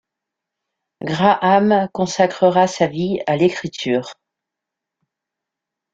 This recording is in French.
Graham consacrera sa vie à l'écriture.